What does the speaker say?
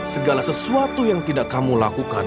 segala sesuatu yang tidak kamu lakukan